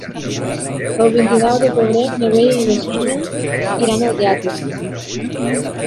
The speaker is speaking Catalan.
El vint-i-nou de febrer na Vera i na Xènia iran al teatre.